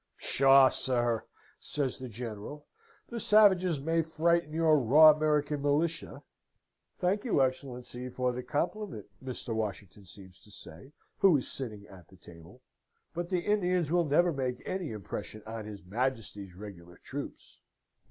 'Psha, sir!' says the General, 'the savages may frighten your raw American militia' (Thank your Excellency for the compliment, Mr. Washington seems to say, who is sitting at the table), 'but the Indians will never make any impression on his Majesty's regular troops.'